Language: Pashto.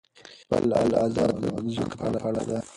بله ادعا د زکام په اړه ده.